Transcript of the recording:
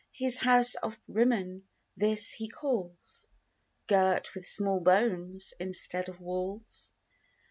His house of Rimmon this he calls, Girt with small bones, instead of walls.